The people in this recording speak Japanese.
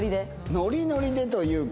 ノリノリでというか。